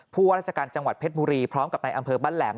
ว่าราชการจังหวัดเพชรบุรีพร้อมกับในอำเภอบ้านแหลม